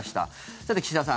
さて、岸田さん